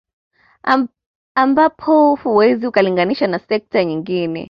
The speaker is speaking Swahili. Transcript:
Ampapo huwezi ukalinganisha na sekta nyingine